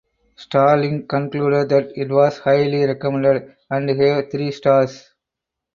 Starling concluded that it was "Highly recommended" and gave three stars.